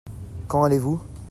Quand allez-vous ?